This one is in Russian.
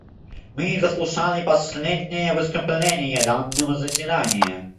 Мы заслушали последнее выступление данного заседания.